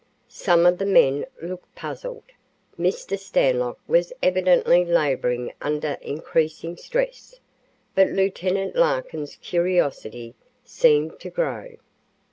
Some of the men looked puzzled, Mr. Stanlock was evidently laboring under increasing distress, but Lieut Larkin's curiosity seemed to grow.